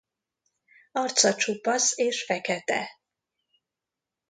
Arca csupasz és fekete.